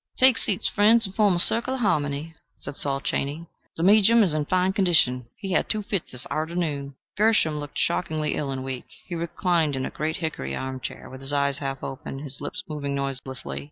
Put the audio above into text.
"Take seats, friends, and form a circle o' harmony," said Saul Chaney. "The me'jum is in fine condition: he had two fits this arternoon." Gershom looked shockingly ill and weak. He reclined in a great hickory arm chair, with his eyes half open, his lips moving noiselessly.